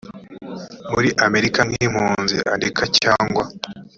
muri amerika nk impunzi andika cyangwa